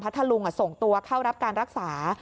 ทะลุงส่งตัวเข้ารับการรักษา